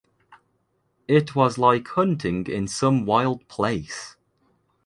It was like hunting in some wild place.